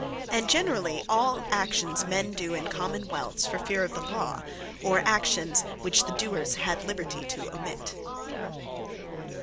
And generally all actions which men doe in Common wealths, for Feare of the law, or actions, which the doers had Liberty to omit.